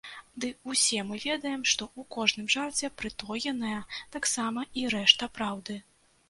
Ды ўсе мы ведаем, што ў кожным жарце прытоеная таксама і рэшта праўды.